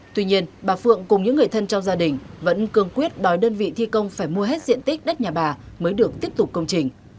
tuy nhiên bà phượng cùng những người thân trong gia đình vẫn cường quyết đòi đơn vị thi công phải mua hết diện tích đất nhà bà mới được tiếp tục công trình